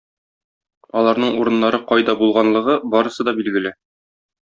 Аларның урыннары кайда булганлыгы барысы да билгеле.